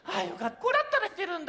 これだったらしってるんだ。